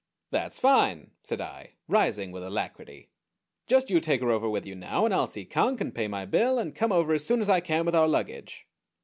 "That's fine!" said I, rising with alacrity. "Just you take her over with you now, and I'll see Conk, and pay my bill, and come over as soon as I can with our luggage."